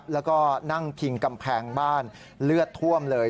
แล้วก็นั่งพิงกำแพงบ้านเลือดท่วมเลย